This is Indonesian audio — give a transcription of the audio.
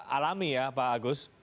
alami ya pak agus